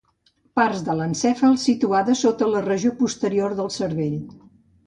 Parts de l'encèfal situades sota la regió posterior del cervell.